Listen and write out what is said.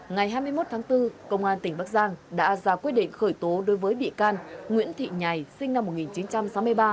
ngày hai mươi một tháng bốn công an tỉnh bắc giang đã ra quyết định khởi tố đối với bị can nguyễn thị nhải sinh năm một nghìn chín trăm sáu mươi ba